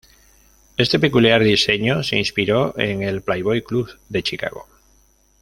Este peculiar diseño se inspiró en el Playboy Club de Chicago.